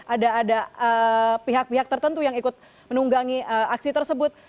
ada pihak pihak tertentu yang ikut menunggangi aksi tersebut